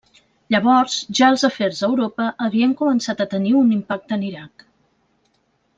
Llavors ja els afers a Europa havien començat a tenir un impacte en Iraq.